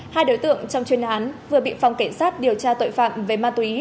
hai đối tượng trong chuyên án vừa bị phòng cảnh sát điều tra tội phạm về ma túy